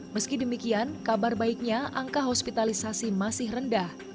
meski demikian kabar baiknya angka hospitalisasi masih rendah